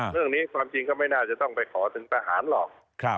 เรื่องนี้ความจริงก็ไม่น่าจะต้องไปขอถึงทหารหรอก